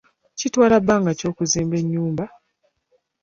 Kitwala bbanga ki okuzimba enyumba?